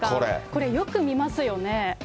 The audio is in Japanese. これよく見ますよね。